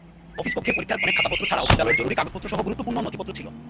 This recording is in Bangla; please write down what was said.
অফিসকক্ষে পরীক্ষার অনেক খাতাপত্র ছাড়াও বিদ্যালয়ের জরুরি কাগজসহ গুরুত্বপূর্ণ নথিপত্র ছিল।